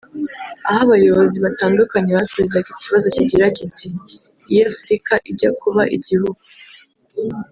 aho abayobozi batandukanye basubizaga ikibazo kigira kiti « Iyo Afurika ijya kuba igihugu